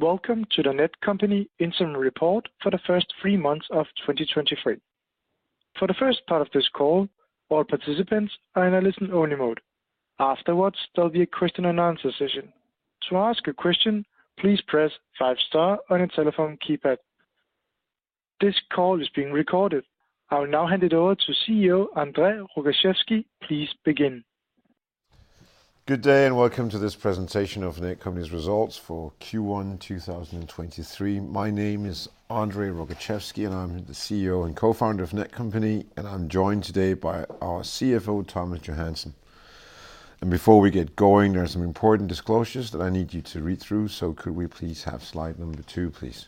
Welcome to the Netcompany Interim Report for the first 3 months of 2023. For the first part of this call, all participants are in a listen-only mode. Afterwards, there'll be a question-and-answer session. To ask a question, please press five star on your telephone keypad. This call is being recorded. I will now hand it over to CEO André Rogaczewski. Please begin. Good day, and welcome to this presentation of Netcompany's results for Q1 2023. My name is André Rogaczewski, and I'm the CEO and co-founder of Netcompany, and I'm joined today by our CFO, Thomas Johansen. Before we get going, there are some important disclosures that I need you to read through. Could we please have slide number 2, please?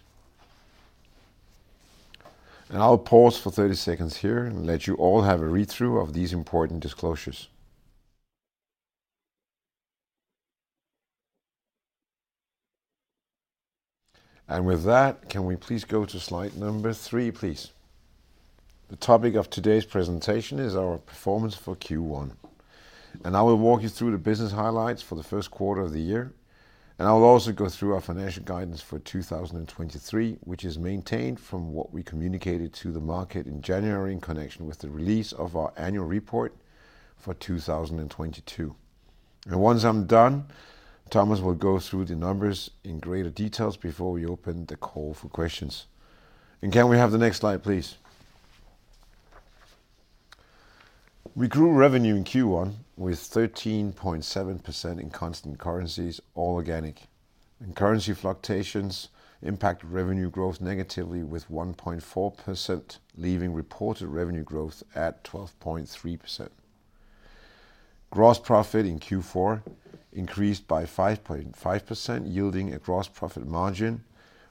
I'll pause for 30 seconds here and let you all have a read-through of these important disclosures. With that, can we please go to slide number 3, please? The topic of today's presentation is our performance for Q1. I will walk you through the business highlights for the first quarter of the year, I will also go through our financial guidance for 2023, which is maintained from what we communicated to the market in January in connection with the release of our annual report for 2022. Once I'm done, Thomas will go through the numbers in greater details before we open the call for questions. Can we have the next slide, please? We grew revenue in Q1 with 13.7% in constant currencies, all organic. Currency fluctuations impacted revenue growth negatively with 1.4%, leaving reported revenue growth at 12.3%. Gross profit in Q4 increased by 5.5%, yielding a gross profit margin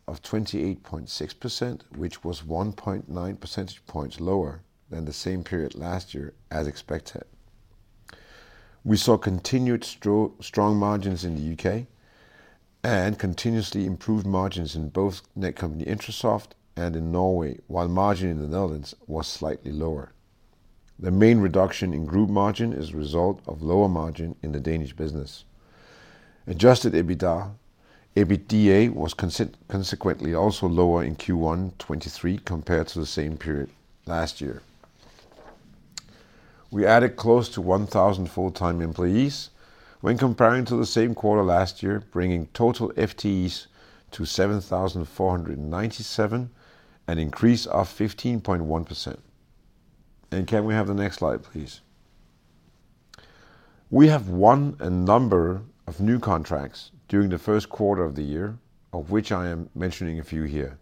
of 28.6%, which was 1.9 percentage points lower than the same period last year as expected. We saw continued strong margins in the UK and continuously improved margins in both Netcompany-Intrasoft and in Norway, while margin in the Netherlands was slightly lower. The main reduction in group margin is a result of lower margin in the Danish business. Adjusted EBITDA was consequently also lower in Q1 2023 compared to the same period last year. We added close to 1,000 full-time employees when comparing to the same quarter last year, bringing total FTEs to 7,497, an increase of 15.1%. Can we have the next slide, please? We have won a number of new contracts during the first quarter of the year, of which I am mentioning a few here.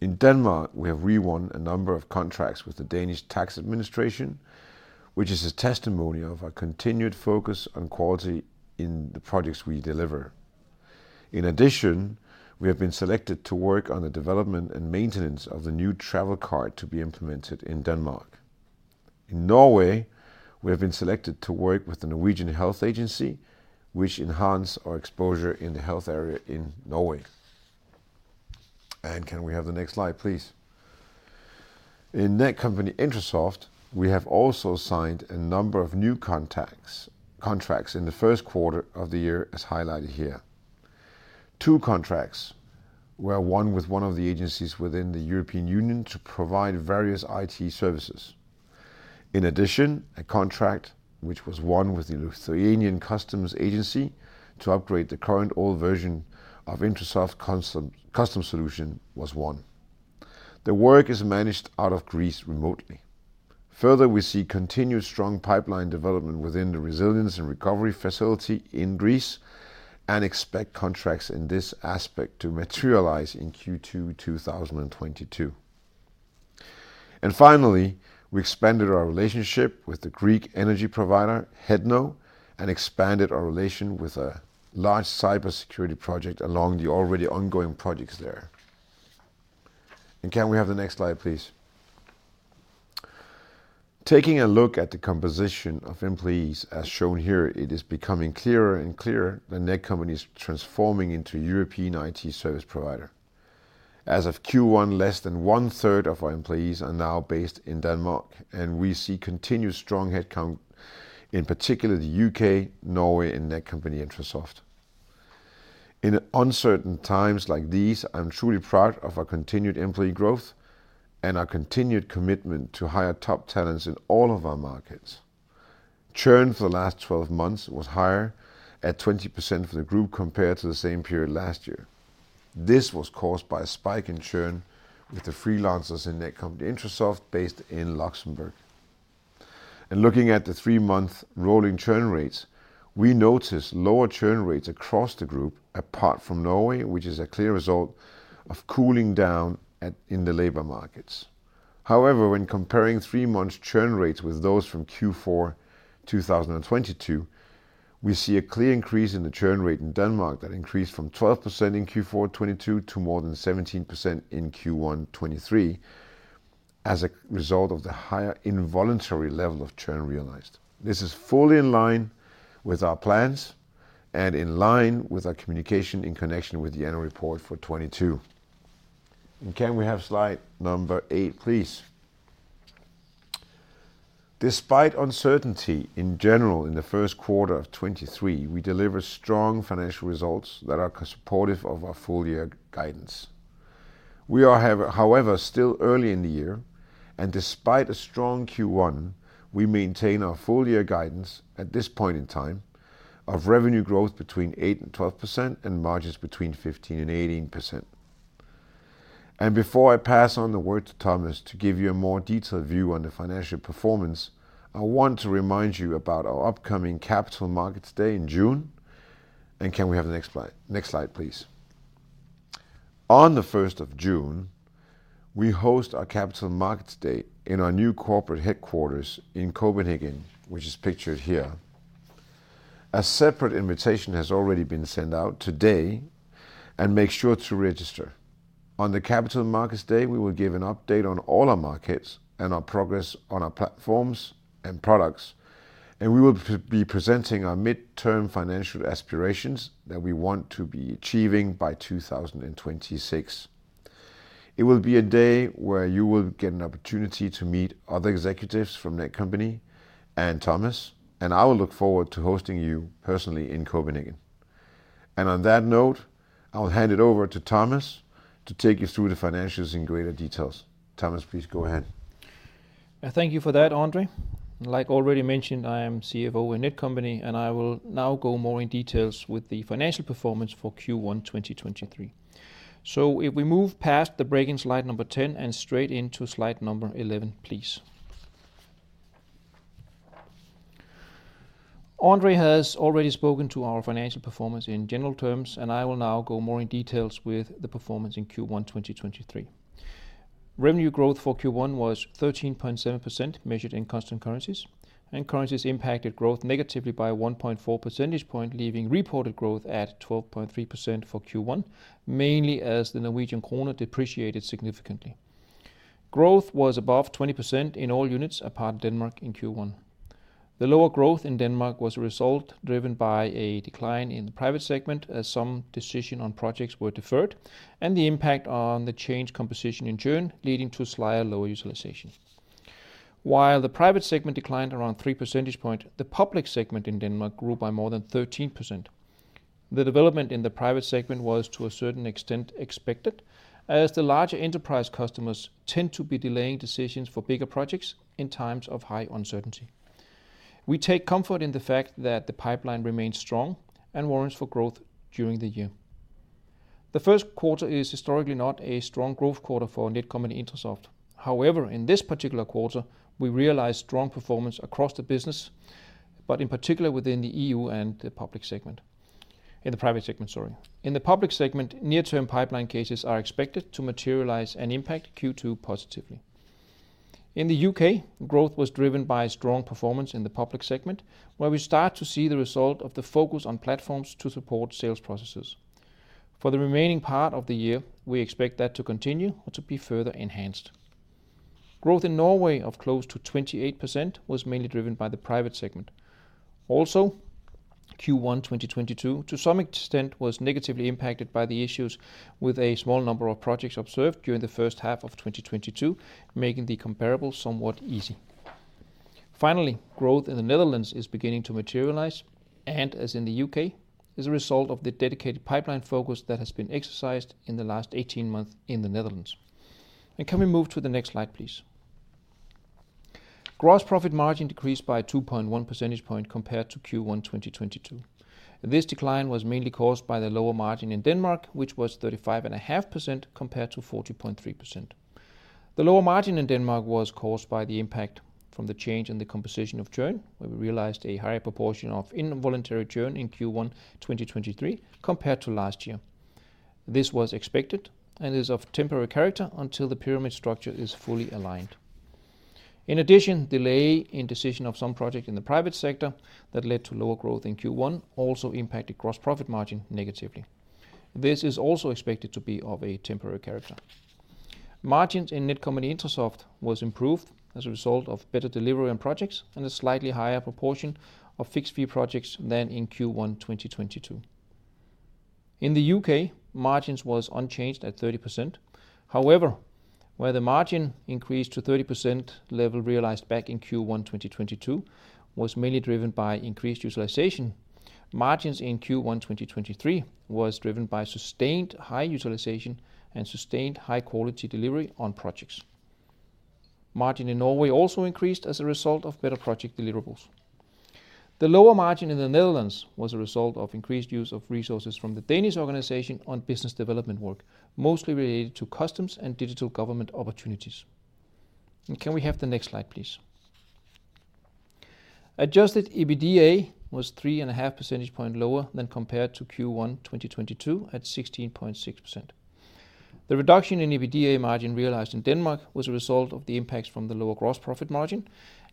In Denmark, we have re-won a number of contracts with the Danish Tax Administration, which is a testimony of our continued focus on quality in the projects we deliver. In addition, we have been selected to work on the development and maintenance of the new travel card to be implemented in Denmark. In Norway, we have been selected to work with the Norwegian Health Agency, which enhance our exposure in the health area in Norway. Can we have the next slide, please? In Netcompany-Intrasoft, we have also signed a number of new contacts, contracts in the 1st quarter of the year, as highlighted here. Two contracts were won with one of the agencies within the European Union to provide various IT services. In addition, a contract which was won with the Lithuanian Customs Agency to upgrade the current old version of Intrasoft Customs Solutions was won. The work is managed out of Greece remotely. Further, we see continued strong pipeline development within the Recovery and Resilience Facility in Greece and expect contracts in this aspect to materialize in Q2 2022. Finally, we expanded our relationship with the Greek energy provider, HEDNO, and expanded our relation with a large cybersecurity project along the already ongoing projects there. Can we have the next slide, please? Taking a look at the composition of employees as shown here, it is becoming clearer and clearer that Netcompany is transforming into European IT service provider. As of Q1, less than 1/3 of our employees are now based in Denmark. We see continued strong headcount, in particular the U.K., Norway, and Netcompany-Intrasoft. In uncertain times like these, I'm truly proud of our continued employee growth and our continued commitment to hire top talents in all of our markets. Churn for the last 12 months was higher at 20% for the group compared to the same period last year. This was caused by a spike in churn with the freelancers in Netcompany-Intrasoft based in Luxembourg. Looking at the 3-month rolling churn rates, we notice lower churn rates across the group, apart from Norway, which is a clear result of cooling down in the labor markets. However, when comparing 3 months churn rates with those from Q4 2022, we see a clear increase in the churn rate in Denmark that increased from 12% in Q4 2022 to more than 17% in Q1 2023 as a result of the higher involuntary level of churn realized. This is fully in line with our plans and in line with our communication in connection with the annual report for 2022. Can we have slide number 8, please? Despite uncertainty in general in the first quarter of 2023, we delivered strong financial results that are supportive of our full year guidance. We are have, however, still early in the year, and despite a strong Q1, we maintain our full year guidance at this point in time of revenue growth between 8%-12% and margins between 15%-18%. Before I pass on the word to Thomas to give you a more detailed view on the financial performance, I want to remind you about our upcoming Capital Markets Day in June. Can we have the next slide please? On the 1st June, we host our Capital Markets Day in our new corporate headquarters in Copenhagen, which is pictured here. A separate invitation has already been sent out today and make sure to register. On the Capital Markets Day, we will give an update on all our markets and our progress on our platforms and products, and we will be presenting our midterm financial aspirations that we want to be achieving by 2026. It will be a day where you will get an opportunity to meet other executives from that company and Thomas, and I will look forward to hosting you personally in Copenhagen. On that note, I will hand it over to Thomas to take you through the financials in greater details. Thomas, please go ahead. Thank you for that, André. Like already mentioned, I am CFO in Netcompany, I will now go more in details with the financial performance for Q1, 2023. If we move past the break-in slide number 10 and straight into slide number 11, please. André has already spoken to our financial performance in general terms, I will now go more in details with the performance in Q1, 2023. Revenue growth for Q1 was 13.7% measured in constant currencies impacted growth negatively by 1.4 percentage point, leaving reported growth at 12.3% for Q1, mainly as the Norwegian kroner depreciated significantly. Growth was above 20% in all units apart Denmark in Q1. The lower growth in Denmark was a result driven by a decline in the private segment as some decision on projects were deferred and the impact on the change composition in churn leading to slightly lower utilization. While the private segment declined around 3 percentage point, the public segment in Denmark grew by more than 13%. The development in the private segment was to a certain extent expected, as the larger enterprise customers tend to be delaying decisions for bigger projects in times of high uncertainty. We take comfort in the fact that the pipeline remains strong and warrants for growth during the year. The first quarter is historically not a strong growth quarter for Netcompany-Intrasoft. However, in this particular quarter, we realized strong performance across the business, but in particular within the EU and the public segment. In the private segment, sorry. In the public segment, near-term pipeline cases are expected to materialize and impact Q2 positively. In the U.K., growth was driven by strong performance in the public segment, where we start to see the result of the focus on platforms to support sales processes. For the remaining part of the year, we expect that to continue or to be further enhanced. Growth in Norway of close to 28% was mainly driven by the private segment. Q1, 2022 to some extent was negatively impacted by the issues with a small number of projects observed during the first half of 2022, making the comparable somewhat easy. Growth in the Netherlands is beginning to materialize, and as in the U.K., as a result of the dedicated pipeline focus that has been exercised in the last 18 months in the Netherlands. Can we move to the next slide, please? Gross profit margin decreased by 2.1 percentage point compared to Q1 2022. This decline was mainly caused by the lower margin in Denmark, which was 35.5% compared to 40.3%. The lower margin in Denmark was caused by the impact from the change in the composition of churn, where we realized a higher proportion of involuntary churn in Q1 2023 compared to last year. This was expected and is of temporary character until the pyramid structure is fully aligned. In addition, delay in decision of some project in the private sector that led to lower growth in Q1 also impacted gross profit margin negatively. This is also expected to be of a temporary character. Margins in Netcompany-Intrasoft were improved as a result of better delivery on projects and a slightly higher proportion of fixed-fee projects than in Q1 2022. In the UK, margins were unchanged at 30%. However, where the margin increased to 30% level realized back in Q1 2022 was mainly driven by increased utilization. Margins in Q1 2023 were driven by sustained high utilization and sustained high quality delivery on projects. Margin in Norway also increased as a result of better project deliverables. The lower margin in the Netherlands was a result of increased use of resources from the Danish organization on business development work, mostly related to customs and digital government opportunities. Can we have the next slide, please? Adjusted EBITDA was 3.5 percentage points lower than compared to Q1 2022, at 16.6%. The reduction in EBITDA margin realized in Denmark was a result of the impacts from the lower gross profit margin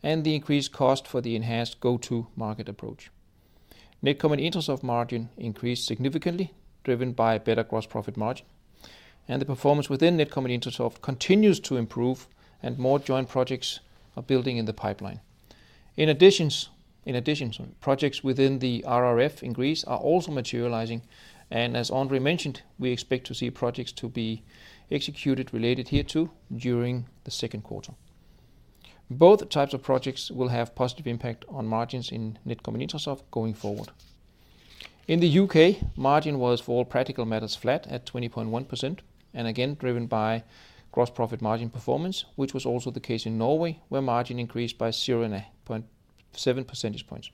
and the increased cost for the enhanced go-to market approach. Netcompany-Intrasoft margin increased significantly, driven by a better gross profit margin, and the performance within Netcompany-Intrasoft continues to improve and more joint projects are building in the pipeline. In addition, projects within the RRF in Greece are also materializing, and as André mentioned, we expect to see projects to be executed related hereto during the second quarter. Both types of projects will have positive impact on margins in Netcompany-Intrasoft going forward. In the UK, margin was, for all practical matters, flat at 20.1%, and again driven by gross profit margin performance, which was also the case in Norway, where margin increased by 0.7 percentage points.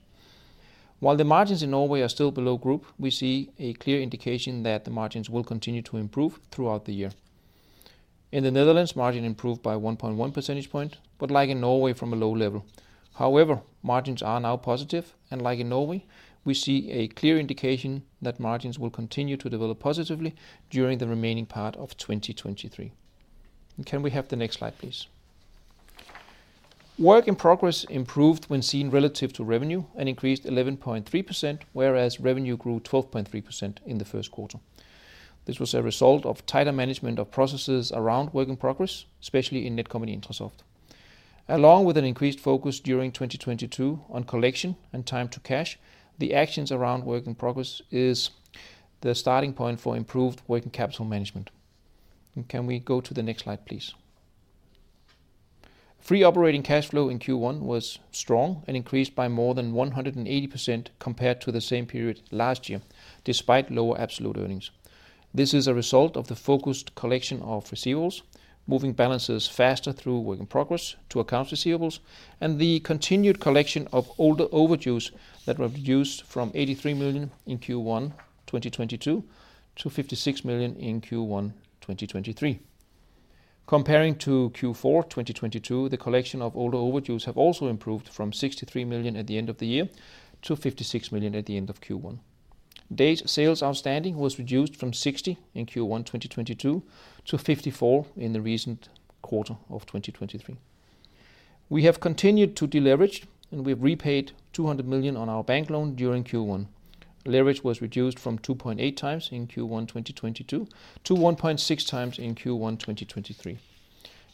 While the margins in Norway are still below group, we see a clear indication that the margins will continue to improve throughout the year. In the Netherlands, margin improved by 1.1 percentage points, but like in Norway, from a low level. However, margins are now positive, and like in Norway, we see a clear indication that margins will continue to develop positively during the remaining part of 2023. Can we have the next slide, please? Work in progress improved when seen relative to revenue and increased 11.3%, whereas revenue grew 12.3% in the first quarter. This was a result of tighter management of processes around work in progress, especially in Netcompany-Intrasoft. Along with an increased focus during 2022 on collection and time to cash, the actions around work in progress is the starting point for improved working capital management. Can we go to the next slide, please? Free operating cash flow in Q1 was strong and increased by more than 180% compared to the same period last year, despite lower absolute earnings. This is a result of the focused collection of receivables, moving balances faster through work in progress to accounts receivables, and the continued collection of older overdues that were reduced from 83 million in Q1 2022 - 56 million in Q1 2023. Comparing to Q4 2022, the collection of older overdues have also improved from 63 million at the end of the year - 56 million at the end of Q1. Days Sales Outstanding was reduced from 60 in Q1 2022 to 54 in the recent quarter of 2023. We have continued to deleverage, and we've repaid 200 million on our bank loan during Q1. Leverage was reduced from 2.8 times in Q1 2022 to 1.6 times in Q1 2023.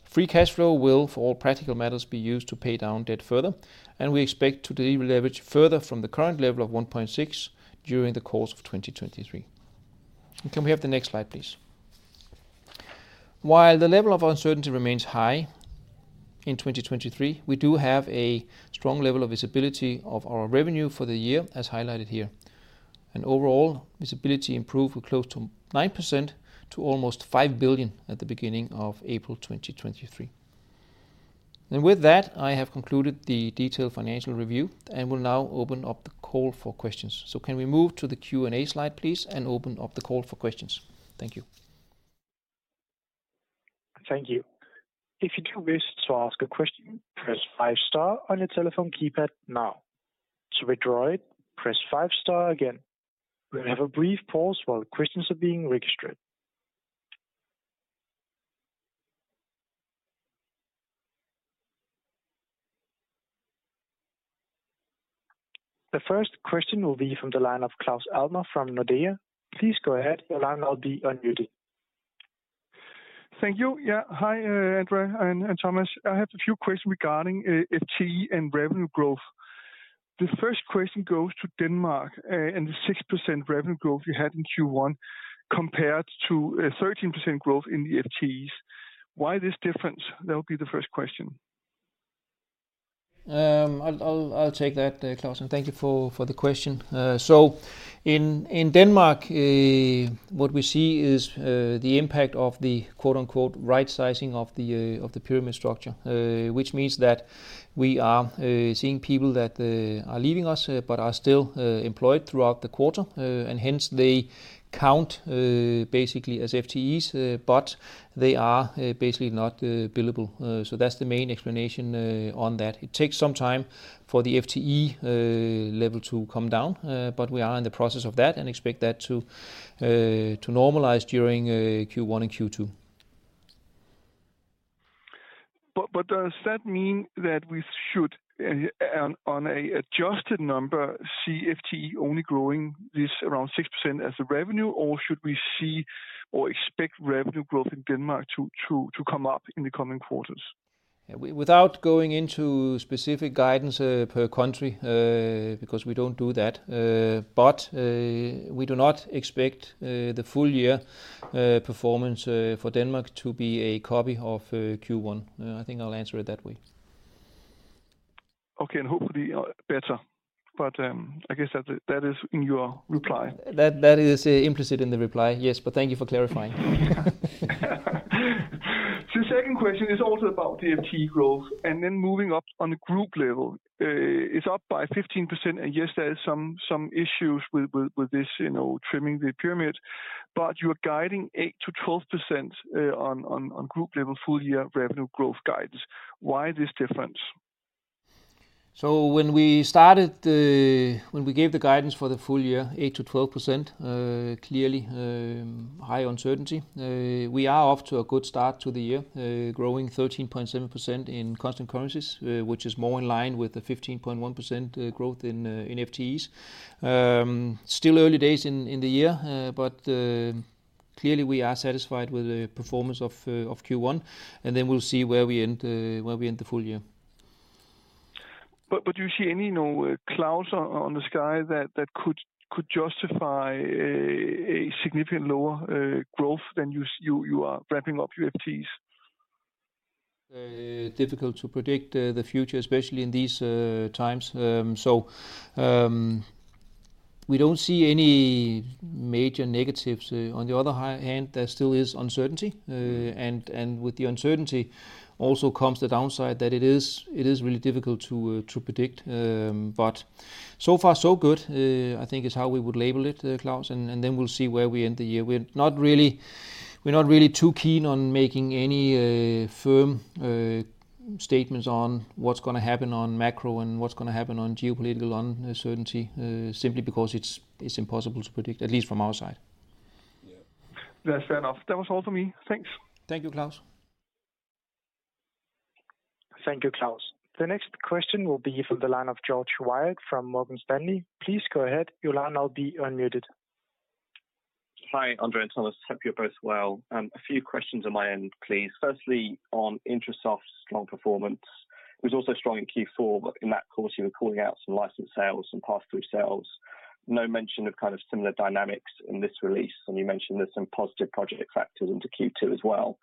Free cash flow will, for all practical matters, be used to pay down debt further, and we expect to deleverage further from the current level of 1.6 during the course of 2023. Can we have the next slide, please? While the level of uncertainty remains high in 2023, we do have a strong level of visibility of our revenue for the year, as highlighted here. Overall, visibility improved from close to 9% to almost 5 billion at the beginning of April 2023. With that, I have concluded the detailed financial review and will now open up the call for questions. Can we move to the Q&A slide, please, and open up the call for questions? Thank you. Thank you. If you do wish to ask a question, press star on your telephone keypad now. To withdraw it, press star again. We'll have a brief pause while the questions are being registered. The first question will be from the line of Claus Almer from Nordea. Please go ahead. Your line will be unmuted. Thank you. Yeah. Hi, André and Thomas. I have a few questions regarding FTE and revenue growth. The first question goes to Denmark, and the 6% revenue growth you had in Q1 compared to 13% growth in the FTEs. Why this difference? That would be the first question. I'll take that, Claus, and thank you for the question. In Denmark, what we see is the impact of the, quote-unquote, "right sizing of the pyramid structure," which means that we are seeing people that are leaving us but are still employed throughout the quarter. Hence, they count basically as FTEs, but they are basically not billable. That's the main explanation on that. It takes some time for the FTE level to come down, but we are in the process of that and expect that to normalize during Q1 and Q2. Does that mean that we should on a adjusted number, see FTE only growing this around 6% as the revenue, or should we see or expect revenue growth in Denmark to come up in the coming quarters? Without going into specific guidance, per country, because we don't do that, but we do not expect the full year performance for Denmark to be a copy of Q1. I think I'll answer it that way. Okay. Hopefully, better. I guess that is in your reply. That is implicit in the reply. Yes. Thank you for clarifying. Second question is also about the FTE growth and then moving up on a Group level. It's up by 15% and yes, there is some issues with this, trimming the pyramid, but you are guiding 8%-12% on Group level full year revenue growth guidance. Why this difference? When we started, when we gave the guidance for the full year, 8%-12%, clearly, high uncertainty. We are off to a good start to the year, growing 13.7% in constant currencies, which is more in line with the 15.1% growth in FTEs. Still early days in the year, but clearly, we are satisfied with the performance of Q1. We'll see where we end, where we end the full year. Do you see any, clouds on the sky that could justify a significant lower growth than you are wrapping up your FTE? Difficult to predict the future, especially in these times. We don't see any major negatives. On the other hand, there still is uncertainty. With the uncertainty also comes the downside that it is really difficult to predict. So far so good, I think is how we would label it, Claus, and then we'll see where we end the year. We're not really too keen on making any firm statements on what's gonna happen on macro and what's gonna happen on geopolitical uncertainty, simply because it's impossible to predict, at least from our side. Yeah. That's fair enough. That was all for me. Thanks. Thank you, Claus. Thank you, Claus. The next question will be from the line of George Webb from Morgan Stanley. Please go ahead. Your line will now be unmuted. Hi, André and Thomas. Hope you're both well. A few questions on my end, please. Firstly, on Netcompany-Intrasoft's strong performance. It was also strong in Q4, but in that call, you were calling out some license sales and pass-through sales. No mention of kind of similar dynamics in this release, and you mentioned there's some positive project factors into Q2 as well.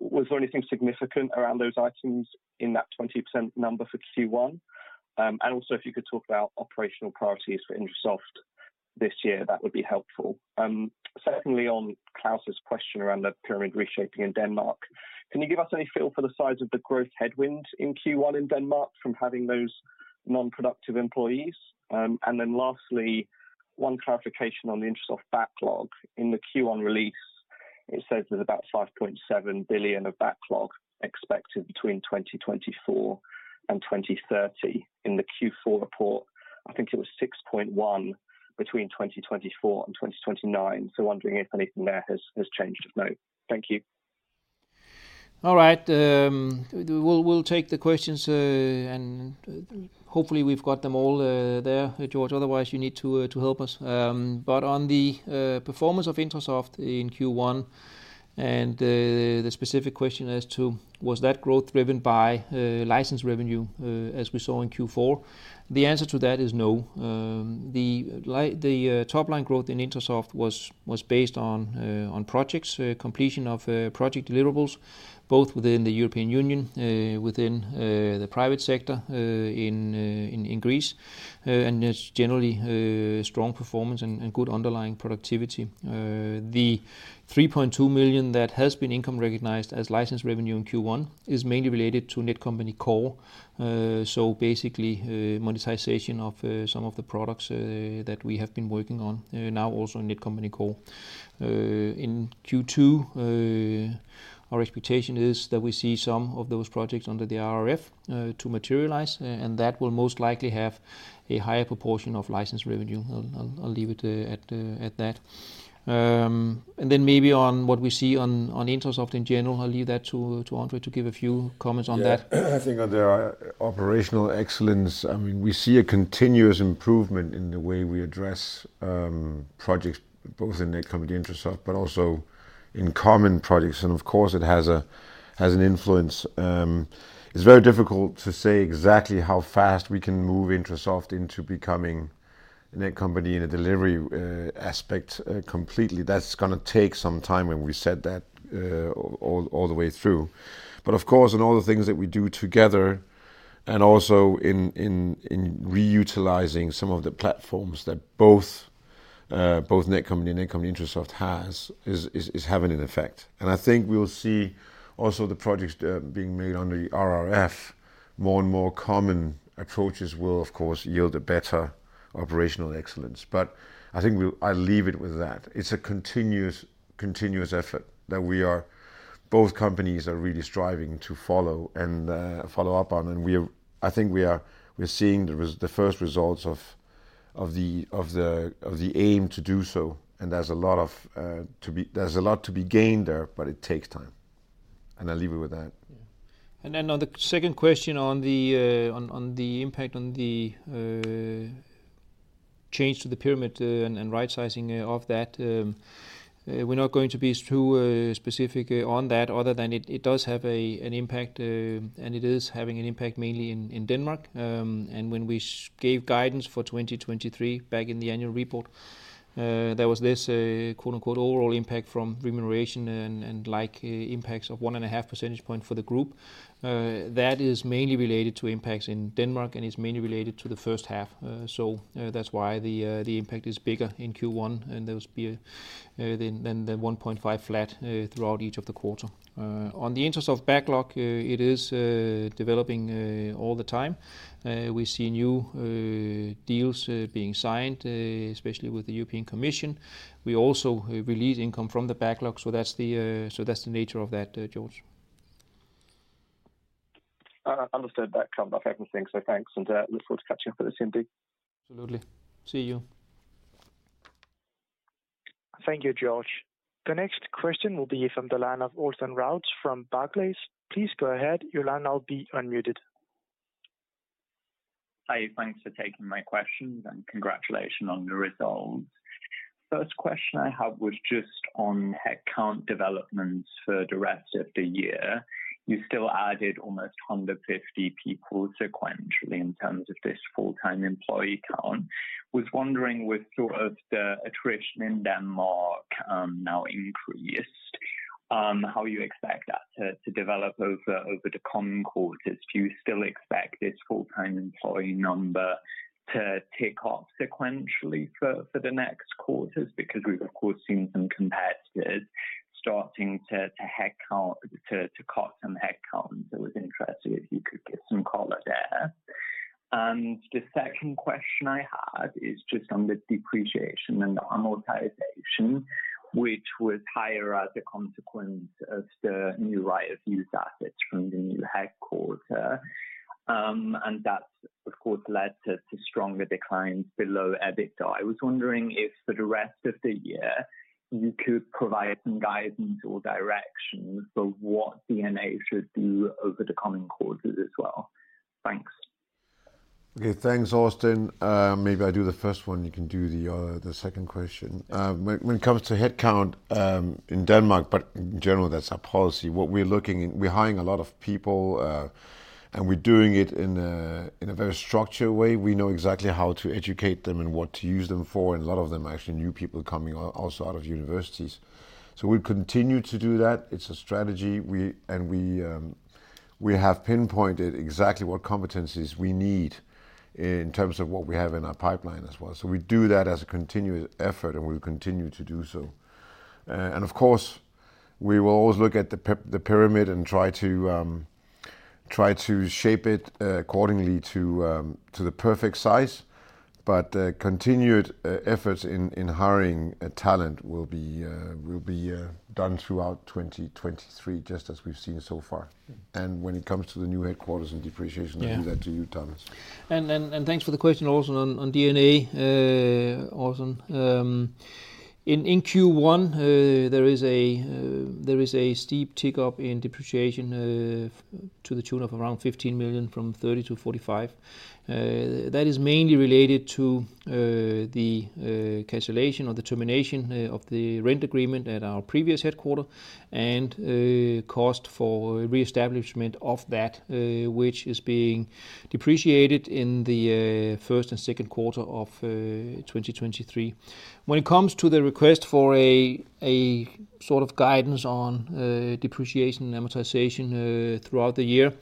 Was there anything significant around those items in that 20% number for Q1? Also if you could talk about operational priorities for Netcompany-Intrasoft this year, that would be helpful. Secondly, on Claus's question around the pyramid reshaping in Denmark, can you give us any feel for the size of the growth headwind in Q1 in Denmark from having those non-productive employees? Lastly, one clarification on the Netcompany-Intrasoft backlog. In the Q1 release, it says there's about 5.7 billion of backlog expected between 2024 and 2030. In the Q4 report, I think it was 6.1 billion between 2024 and 2029. Wondering if anything there has changed. If no. Thank you. All right. We'll, we'll take the questions and hopefully we've got them all there, George. Otherwise you need to help us. On the performance of Netcompany-Intrasoft in Q1 and the specific question as to was that growth driven by license revenue as we saw in Q4? The answer to that is no. The top line growth in Netcompany-Intrasoft was based on projects, completion of project deliverables, both within the European Union, within the private sector in Greece, and just generally strong performance and good underlying productivity. The 3.2 million that has been income recognized as license revenue in Q1 is mainly related to Netcompany Core. Basically, monetization of some of the products that we have been working on, now also in Netcompany Core. In Q2, our expectation is that we see some of those projects under the RRF, and that will most likely have a higher proportion of license revenue. I'll leave it at that. Then maybe on what we see on Netcompany-Intrasoft in general, I'll leave that to André to give a few comments on that. I think on their operational excellence, I mean, we see a continuous improvement in the way we address projects both in Netcompany Netcompany-Intrasoft but also in common projects, of course, it has a, has an influence. It's very difficult to say exactly how fast we can move Netcompany-Intrasoft into becoming Netcompany in a delivery aspect completely. That's gonna take some time, and we said that all the way through. Of course, in all the things that we do together and also in, in reutilizing some of the platforms that both Netcompany and Netcompany-Intrasoft has is having an effect. I think we'll see also the projects being made under the RRF, more and more common approaches will of course yield a better operational excellence. I think we'll I'll leave it with that. It's a continuous effort that both companies are really striving to follow and follow up on. We're, I think we are, we're seeing the first results of the aim to do so. There's a lot to be gained there, but it takes time. I'll leave it with that. On the second question on the impact on the change to the pyramid and rightsizing of that, we're not going to be too specific on that other than it does have an impact and it is having an impact mainly in Denmark. When we gave guidance for 2023 back in the annual report, there was this quote-unquote, "overall impact from remuneration and like impacts of 1.5% point for the group." That is mainly related to impacts in Denmark, and it's mainly related to the first half. That's why the impact is bigger in Q1, and there's than 1.5 flat throughout each of the quarter. On the Netcompany-Intrasoft backlog, it is developing all the time. We see new deals being signed especially with the European Commission. We also release income from the backlog, so that's the nature of that, George. Understood that.kind of happening. Thanks and look forward to catching up with you soon. Bye. Absolutely. See you. Thank you, George. The next question will be from the line of Austin Rheault from Barclays. Please go ahead. Your line will now be unmuted. Hi, thanks for taking my questions. Congratulations on the results. First question I have was just on headcount developments for the rest of the year. You still added almost 150 people sequentially in terms of this full-time employee count. Was wondering with sort of the attrition in Denmark, now increased, how you expect that to develop over the coming quarters. Do you still expect this full-time employee number to tick up sequentially for the next quarters? We've of course seen some competitors starting to headcount, to cut some headcounts. I was interested if you could give some color there. The second question I had is just on the depreciation and amortization, which was higher as a consequence of the new Right-of-Use used assets from the new headquarter. That's of course led to stronger declines below EBITDA. I was wondering if for the rest of the year you could provide some guidance or direction for what D&A should do over the coming quarters as well. Thanks. Okay, thanks, Austin. Maybe I do the first one, you can do the other, the second question. When it comes to headcount, in Denmark, but in general that's our policy. We're hiring a lot of people, and we're doing it in a very structured way. We know exactly how to educate them and what to use them for, and a lot of them are actually new people coming also out of universities. We'll continue to do that. We have pinpointed exactly what competencies we need in terms of what we have in our pipeline as well. We do that as a continuous effort, and we'll continue to do so. Of course, we will always look at the pyramid and try to shape it accordingly to to the perfect size. Continued efforts in hiring talent will be done throughout 2023, just as we've seen so far. When it comes to the new headquarters and depreciation- Yeah. I'll leave that to you, Thomas. Thanks for the question, Austin, on D&A, Austin. In Q1, there is a steep tick up in depreciation to the tune of around 15 million from 30-45. That is mainly related to the cancellation or the termination of the rent agreement at our previous headquarter and cost for reestablishment of that, which is being depreciated in the first and second quarter of 2023. When it comes to the request for a sort of guidance on depreciation and amortization throughout the year,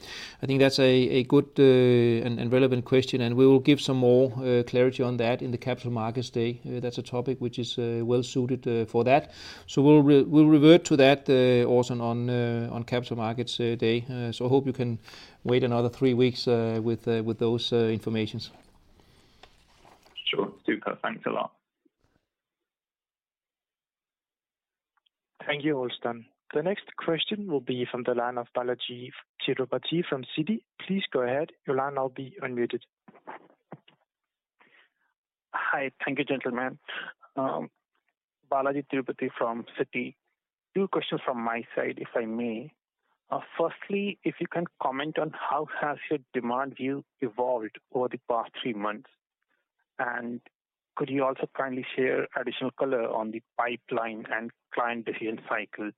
I think that's a good and relevant question, and we will give some more clarity on that in the Capital Markets Day. That's a topic which is well-suited for that. We'll revert to that, Austin, on on Capital Markets Day. I hope you can wait another three weeks with with those informations. Sure. Super. Thanks a lot. Thank you, Austin. The next question will be from the line of Balajee Tirupati from Citi. Please go ahead. Your line now be unmuted. Hi. Thank you, gentlemen. Balajee Tirupati from Citi. Two questions from my side, if I may. Firstly, if you can comment on how has your demand view evolved over the past three months? Could you also kindly share additional color on the pipeline and client decision cycle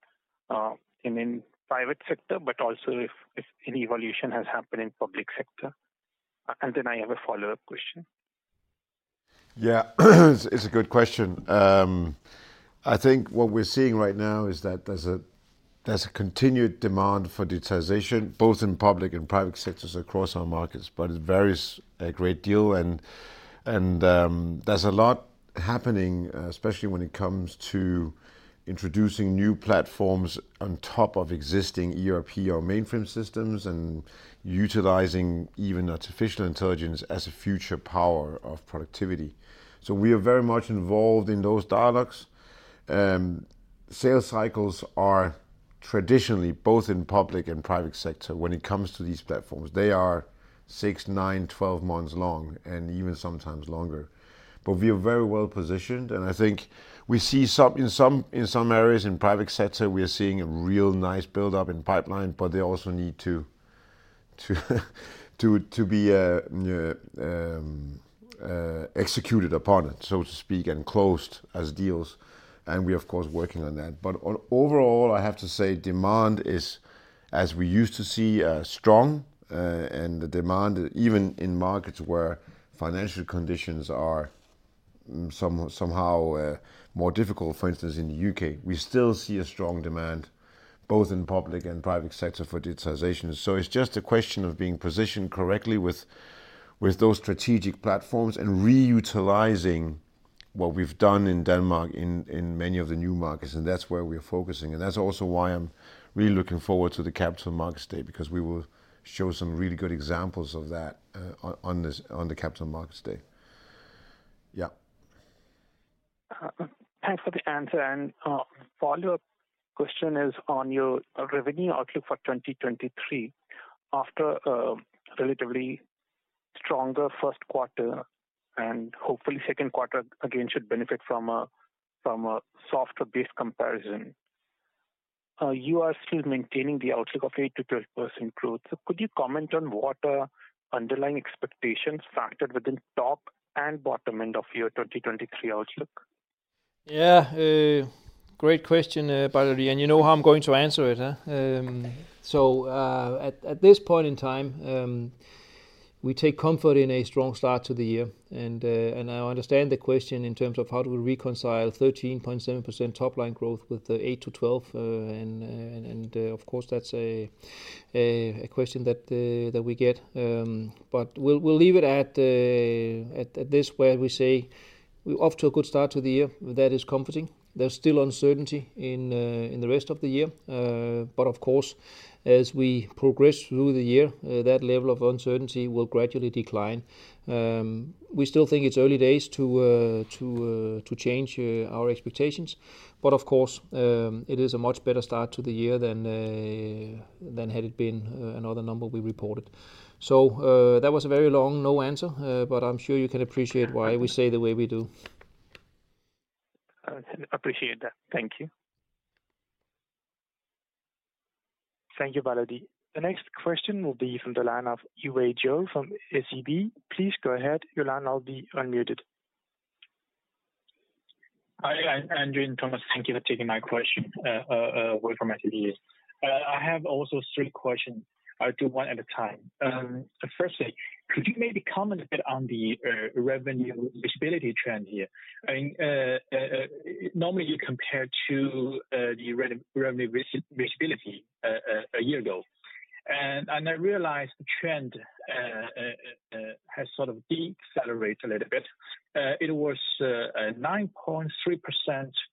in private sector, but also if any evolution has happened in public sector? I have a follow-up question. Yeah. It's a good question. I think what we're seeing right now is that there's a continued demand for digitization, both in public and private sectors across our markets, but it varies a great deal. There's a lot happening, especially when it comes to introducing new platforms on top of existing ERP or mainframe systems and utilizing even artificial intelligence as a future power of productivity. We are very much involved in those dialogues. Sales cycles are traditionally, both in public and private sector when it comes to these platforms, they are 6, 9, 12 months long and even sometimes longer. We are very well-positioned, and I think we see some areas in private sector, we are seeing a real nice buildup in pipeline, but they also need to be executed upon it, so to speak, and closed as deals. We're of course working on that. Overall, I have to say demand is, as we used to see, strong. The demand even in markets where financial conditions are somehow more difficult, for instance in the U.K., we still see a strong demand both in public and private sector for digitization. It's just a question of being positioned correctly with those strategic platforms and reutilizing what we've done in Denmark in many of the new markets, and that's where we're focusing. That's also why I'm really looking forward to the Capital Markets Day, because we will show some really good examples of that, on this, on the Capital Markets Day. Yeah. thanks for the answer. Follow-up question is on your revenue outlook for 2023. After a relatively stronger first quarter, and hopefully second quarter again should benefit from a softer base comparison. You are still maintaining the outlook of 8%-10% growth. Could you comment on what underlying expectations factored within top and bottom end of your 2023 outlook? Great question, Balajee. You know how I'm going to answer it, huh? At this point in time, we take comfort in a strong start to the year. I understand the question in terms of how do we reconcile 13.7% top line growth with the 8%-12%. Of course, that's a question that we get. We'll leave it at this, where we say we're off to a good start to the year. That is comforting. There's still uncertainty in the rest of the year. Of course, as we progress through the year, that level of uncertainty will gradually decline. We still think it's early days to change our expectations. Of course, it is a much better start to the year than had it been another number we reported. That was a very long no answer, but I'm sure you can appreciate why we say the way we do. I appreciate that. Thank you. Thank you, Balajee. The next question will be from the line of Yiwei Zhou from SEB. Please go ahead. Your line will now be unmuted. Hi, André and Thomas, thank you for taking my question from SEB. I have also 3 questions. I'll do one at a time. Firstly, could you maybe comment a bit on the revenue visibility trend here? I mean, normally you compare to the revenue visibility a year ago. I realized the trend has sort of decelerated a little bit. It was a 9.3%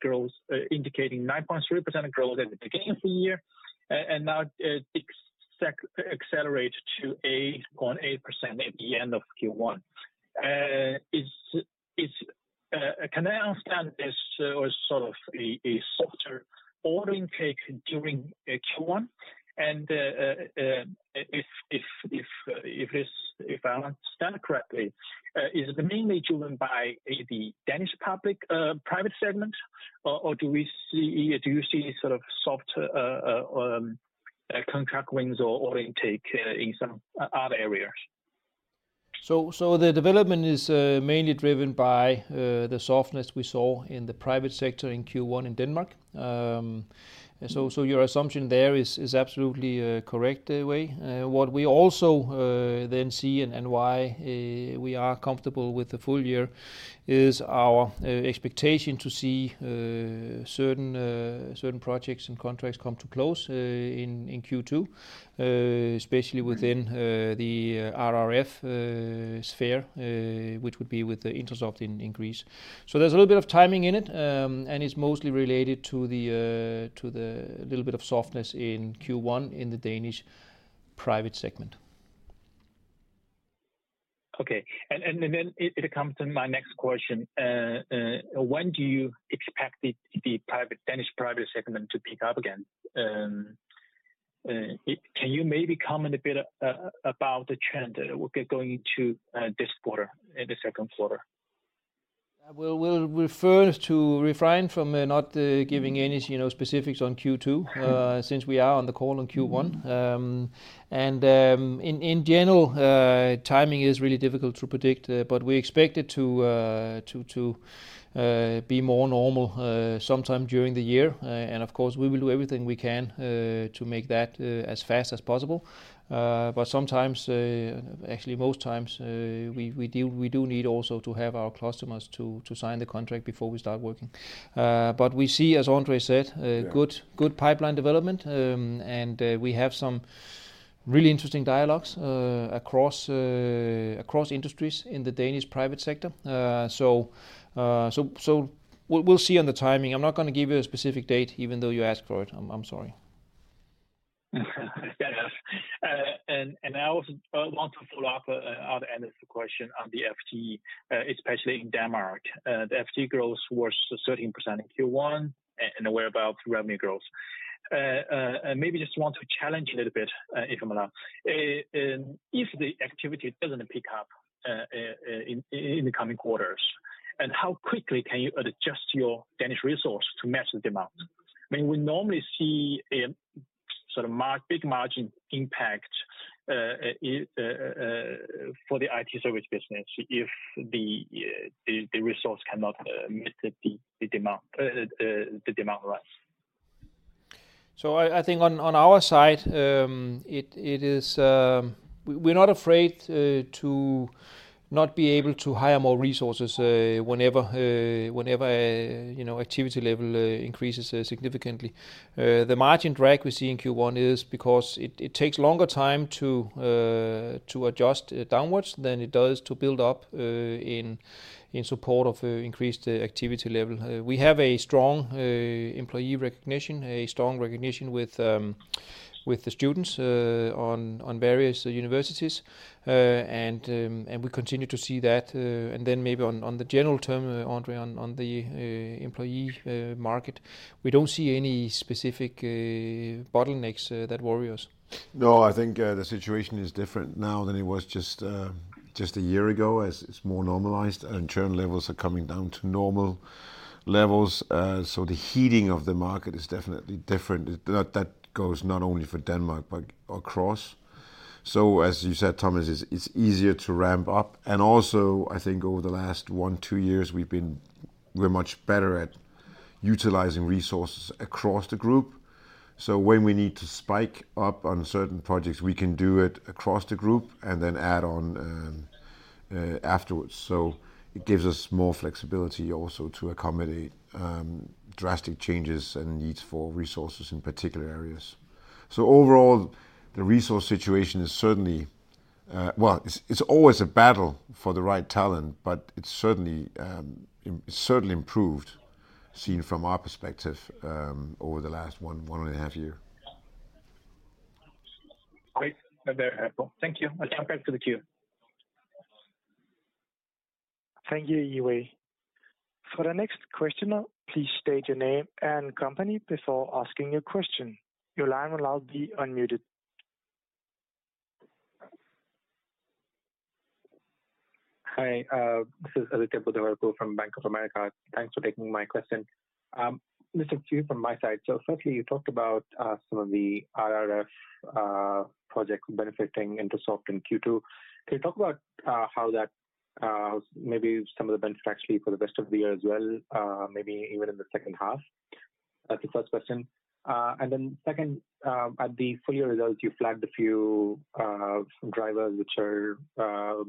growth, indicating 9.3% growth at the beginning of the year. Now it accelerated to 8.8% at the end of Q1. Is, can I understand this as sort of a softer ordering take during Q1? If this If I understand correctly, is it mainly driven by the Danish public, private segment, or do we see, do you see sort of softer, contract wins or intake, in some other areas? The development is mainly driven by the softness we saw in the private sector in Q1 in Denmark. Your assumption there is absolutely correct, Yiwei. What we also then see and why we are comfortable with the full year is our expectation to see certain certain projects and contracts come to close in in Q2, especially within the RRF sphere, which would be with the Netcompany-Intrasoft in increase. There's a little bit of timing in it, and it's mostly related to the little bit of softness in Q1 in the Danish private segment. Okay. Then it comes to my next question. When do you expect the private, Danish private segment to pick up again? Can you maybe comment a bit about the trend, going into, this quarter, in the second quarter? We'll refer to refrain from not giving any, specifics on Q2, since we are on the call on Q1. In general, timing is really difficult to predict, but we expect it to be more normal sometime during the year. Of course, we will do everything we can to make that as fast as possible. Sometimes, actually most times, we do need also to have our customers to sign the contract before we start working. We see, as André said. Yeah... good pipeline development. We have some really interesting dialogues across industries in the Danish private sector. We'll see on the timing. I'm not gonna give you a specific date, even though you asked for it. I'm sorry. I also want to follow up the end of the question on the FTE, especially in Denmark. The FTE growth was 13% in Q1 and aware about revenue growth. Maybe just want to challenge a little bit, if I'm allowed. If the activity doesn't pick up in the coming quarters, and how quickly can you adjust your Danish resource to match the demand? I mean, we normally see a sort of big margin impact for the IT service business if the resource cannot meet the demand, the demand rise. I think on our side, it is, we're not afraid to not be able to hire more resources whenever, activity level increases significantly. The margin drag we see in Q1 is because it takes longer time to adjust downwards than it does to build up in support of increased activity level. We have a strong employee recognition, a strong recognition with the students on various universities. And we continue to see that. And then maybe on the general term, André, on the employee market, we don't see any specific bottlenecks that worry us. No, I think, the situation is different now than it was just. Just a year ago, as it's more normalized and churn levels are coming down to normal levels, the heating of the market is definitely different. That goes not only for Denmark but across. As you said, Thomas, it's easier to ramp up. Also, I think over the last 1, 2 years, We're much better at utilizing resources across the group. When we need to spike up on certain projects, we can do it across the group and then add on afterwards. It gives us more flexibility also to accommodate drastic changes and needs for resources in particular areas. Overall, the resource situation is certainly. Well, it's always a battle for the right talent, but it's certainly improved seen from our perspective over the last 1.5 years. Great. There, thank you. I'll turn back to the queue. Thank you, Yiwei. For the next question, please state your name and company before asking your question. Your line will now be unmuted. Hi, this is Aditya Buddhavarapu from Bank of America. Thanks for taking my question. Just a few from my side. Firstly, you talked about some of the RRF projects benefiting Netcompany-Intrasoft in Q2. Can you talk about how that, maybe some of the benefits actually for the rest of the year as well, maybe even in the second half? That's the first question. And then second, at the full year results, you flagged a few drivers which are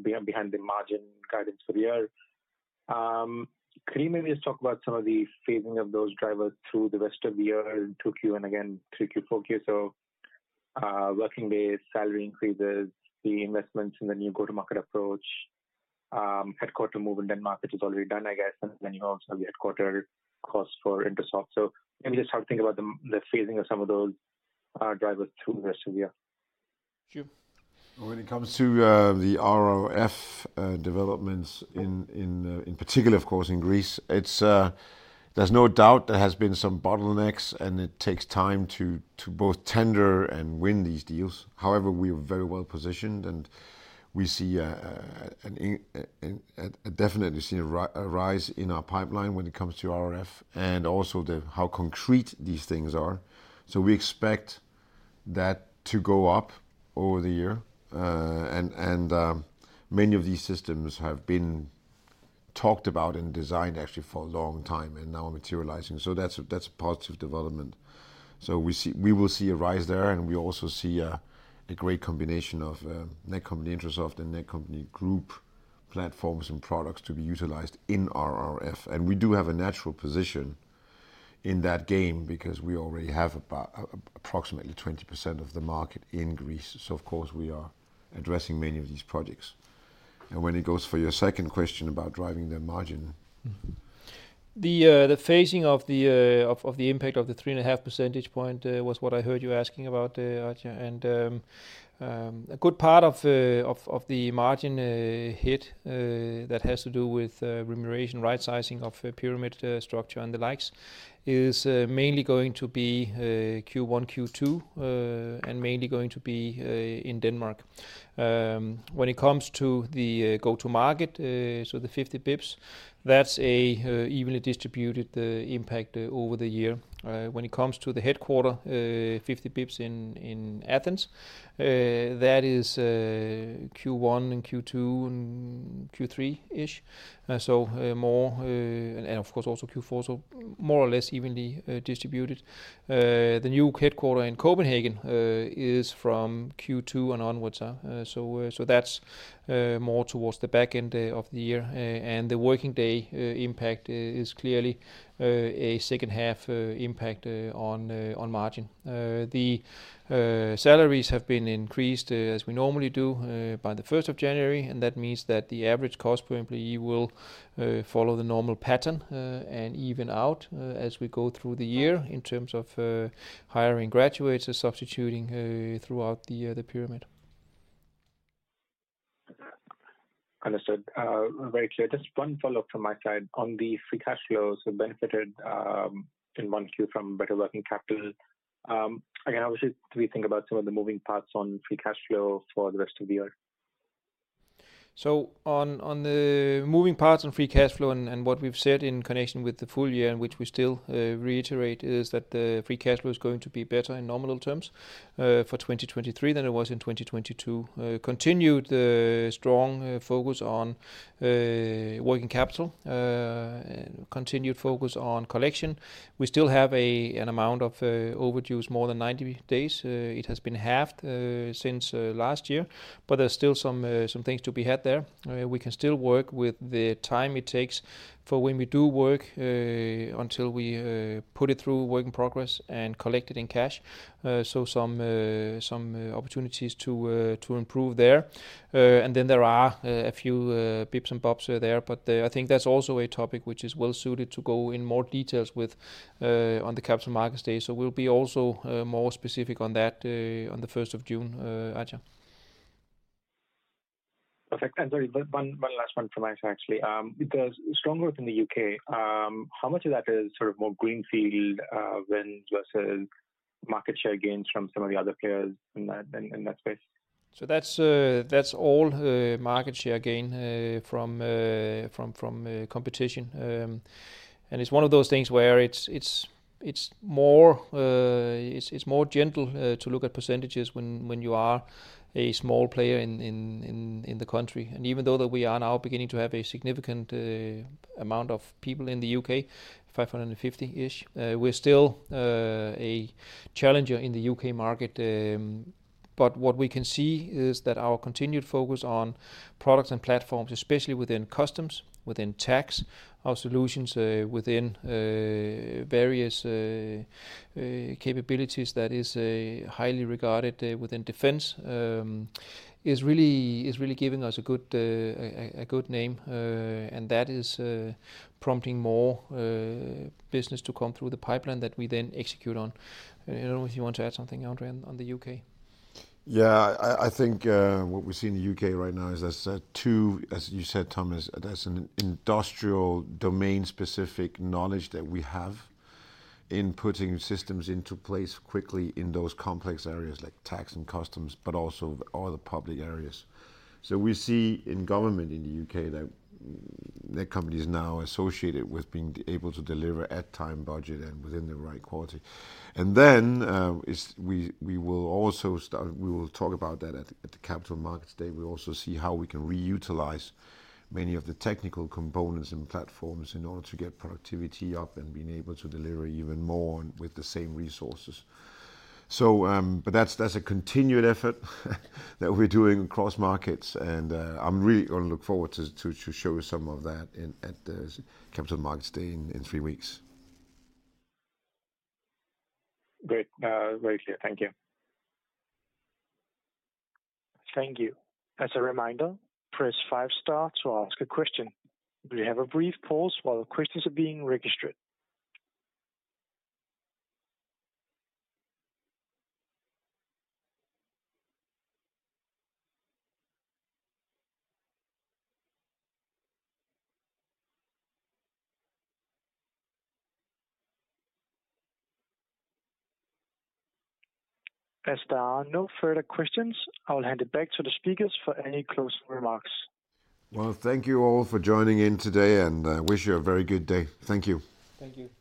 behind the margin guidance for the year. Could you maybe just talk about some of the phasing of those drivers through the rest of the year in 2Q and again 3Q, 4Q? Working days, salary increases, the investments in the new go-to-market approach, headquarter move in Denmark, which is already done, I guess. You also have the headquarter costs for Netcompany-Intrasoft. Maybe just how to think about the phasing of some of those drivers through the rest of the year? Sure. When it comes to the RRF developments in particular of course in Greece, there's no doubt there has been some bottlenecks and it takes time to both tender and win these deals. However, we are very well positioned, and we definitely see a rise in our pipeline when it comes to RRF and also the how concrete these things are. We expect that to go up over the year. Many of these systems have been talked about and designed actually for a long time and now are materializing. That's, that's a positive development. We see, we will see a rise there, and we also see a great combination of Netcompany-Intrasoft, and Netcompany Group platforms and products to be utilized in RRF. We do have a natural position in that game because we already have about approximately 20% of the market in Greece. Of course we are addressing many of these projects. When it goes for your second question about driving the margin. The phasing of the impact of the 3.5 percentage point was what I heard you asking about, Aditya. A good part of the margin hit that has to do with remuneration, rightsizing of pyramid structure and the likes, is mainly going to be Q1, Q2, and mainly going to be in Denmark. When it comes to the go to market, so the 50 bips, that's a evenly distributed impact over the year. When it comes to the headquarter, 50 bips in Athens, that is Q1 and Q2 and Q3-ish. More, and of course also Q4, so more or less evenly distributed. The new headquarter in Copenhagen is from Q2 and onwards, so that's more towards the back end of the year. The working day impact is clearly a second half impact on margin. The salaries have been increased as we normally do by the 1st January, and that means that the average cost per employee will follow the normal pattern and even out as we go through the year in terms of hiring graduates and substituting throughout the pyramid. Understood. Very clear. Just one follow-up from my side. On the free cash flows benefited, in one queue from better working capital, again, obviously, do we think about some of the moving parts on free cash flow for the rest of the year? On the moving parts on free cash flow and what we've said in connection with the full year, and which we still reiterate, is that the free cash flow is going to be better in nominal terms for 2023 than it was in 2022. Continued strong focus on working capital. Continued focus on collection. We still have an amount of overdues more than 90 days. It has been halved since last year, but there's still some things to be had there. We can still work with the time it takes for when we do work until we put it through work in progress and collect it in cash. Some opportunities to improve there. There are a few bips and bops there. I think that's also a topic which is well suited to go in more details with on the Capital Markets Day. We'll be also more specific on that on the 1st June, Aditya. Perfect. Sorry, one last one from my side actually. Because strong growth in the UK, how much of that is sort of more greenfield wins versus. Market share gains from some of the other players in that, in that space. That's all market share gain from competition. It's one of those things where it's more gentle to look at % when you are a small player in the country. Even though that we are now beginning to have a significant amount of people in the UK, 550-ish, we're still a challenger in the UK market. What we can see is that our continued focus on products and platforms, especially within customs, within tax, our solutions within various capabilities that is highly regarded within defense, is really giving us a good name. That is prompting more business to come through the pipeline that we then execute on. I don't know if you want to add something, André, on the UK. Yeah. I think, what we see in the UK right now is there's two... As you said, Thomas, there's an industrial domain-specific knowledge that we have in putting systems into place quickly in those complex areas like tax and customs, but also all the public areas. We see in government in the UK that company is now associated with being able to deliver at time, budget, and within the right quality. We will talk about that at the Capital Markets Day. We'll also see how we can reutilize many of the technical components and platforms in order to get productivity up and being able to deliver even more with the same resources. That's a continued effort that we're doing across markets, and I'm really gonna look forward to show some of that at the Capital Markets Day in three weeks. Great. Very clear. Thank you. Thank you. As a reminder, press five star to ask a question. We have a brief pause while the questions are being registered. As there are no further questions, I will hand it back to the speakers for any closing remarks. Thank you all for joining in today, and I wish you a very good day. Thank you. Thank you.